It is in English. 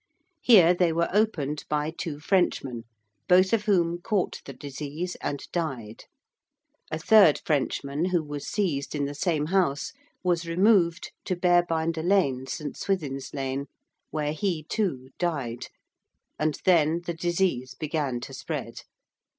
Here they were opened by two Frenchmen, both of whom caught the disease and died. A third Frenchman who was seized in the same house was removed to Bearbinder Lane, St. Swithin's Lane, where he, too, died. And then the disease began to spread.